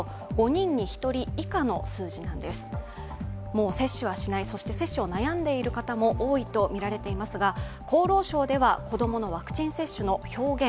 もう接種をしない接種を悩んでいる人も多いとみられていますが子供のワクチン接種の表現